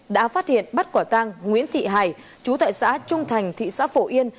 đã phát hiện bắt quả tang nguyễn thị hải chú tại xã trung thành thị xã phổ yên